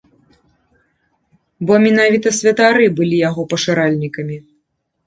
Бо менавіта святары былі яго пашыральнікамі.